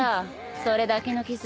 それだけの傷